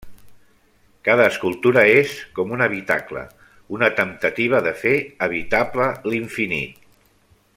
Cada escultura és com un habitacle, una temptativa de fer habitable l'infinit.